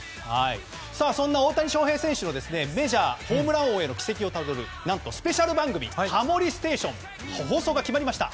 そんな大谷翔平選手のメジャーホームラン王への軌跡をたどるスペシャル番組「タモリステーション」の放送が決まりました。